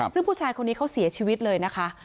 ซึ่งผู้ชายคนนี้เขาเสียชีวิตเลยนะคะ